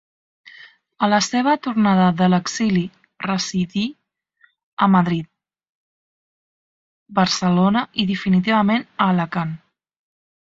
A la seua tornada de l'exili residí a Madrid, Barcelona i definitivament a Alacant.